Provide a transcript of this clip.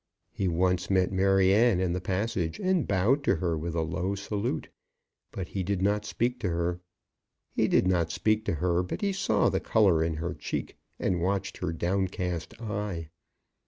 He once met Maryanne in the passage, and bowed to her with a low salute, but he did not speak to her. He did not speak to her, but he saw the colour in her cheek, and watched her downcast eye.